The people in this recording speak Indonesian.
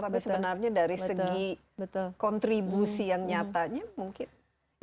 tapi sebenarnya dari segi kontribusi yang nyatanya mungkin